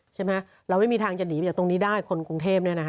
ใช่ไหมเราไม่มีทางจะหนีไปจากตรงนี้ได้คนกรุงเทพ